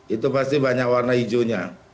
itu pasti banyak warna hijaunya